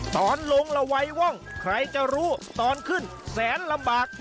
ตอนลงแล้ววัยว่องใครจะรู้ตอนขึ้นแสนลำบาก